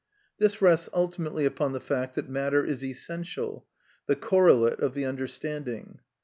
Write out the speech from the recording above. This rests ultimately upon the fact that matter is essential, the correlate of the understanding.